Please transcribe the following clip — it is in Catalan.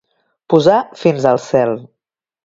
Posar fins al cel.